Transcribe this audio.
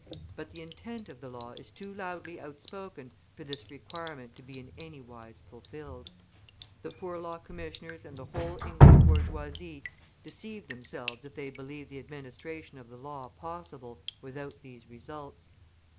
But the intent of the law is too loudly outspoken for this requirement to be in any wise fulfilled. The Poor Law Commissioners and the whole English bourgeoisie deceive themselves if they believe the administration of the law possible without these results.